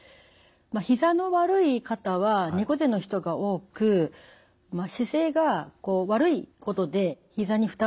ひざの悪い方は猫背の人が多く姿勢が悪いことでひざに負担がかかります。